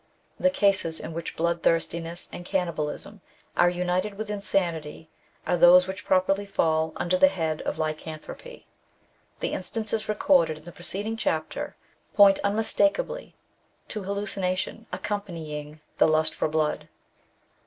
The cases in which bloodthirstiness and cannibalism are united with insanity are those which properly fall under the head of Lycanthropy. The instances recorded in the preceding chapter point unmistakably to hallucina tion accompanying the lust for blood.